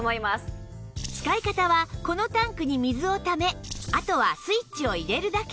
使い方はこのタンクに水をためあとはスイッチを入れるだけ